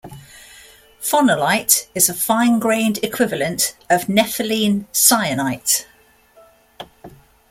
Phonolite is a fine-grained equivalent of nepheline syenite.